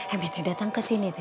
eme teh datang kesini teh